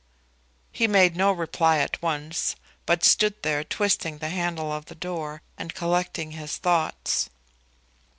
He made no reply at once, but stood there twisting the handle of the door, and collecting his thoughts.